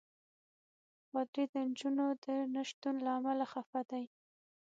پادري د نجونو د نه شتون له امله خفه دی.